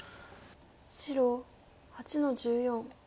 白８の十四。